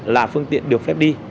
là phương tiện được phép đi